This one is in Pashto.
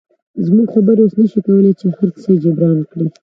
زموږ خبرې اوس نشي کولی چې هرڅه جبران کړي